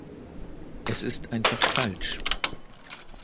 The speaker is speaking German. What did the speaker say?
Es ist einfach falsch.